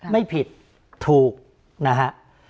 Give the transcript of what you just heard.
ไม่ผิดถูกนะฮะ